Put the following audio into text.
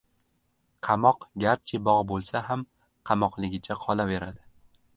• Qamoq garchi bog‘ bo‘lsa ham qamoqligicha qolaveradi.